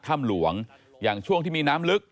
ถ้ำหลวงอย่างช่วงที่มีน้ำลึก